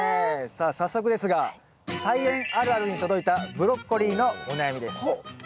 さあ早速ですが「菜園あるある」に届いたブロッコリーのお悩みです。